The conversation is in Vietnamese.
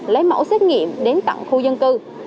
lấy mẫu xét nghiệm đến tặng khu dân cư